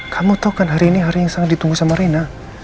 kamu tau kan hari ini hari yang sangat ditunggu sama rina